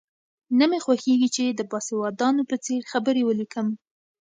نه مې خوښېږي چې د باسوادانو په څېر خبرې ولیکم.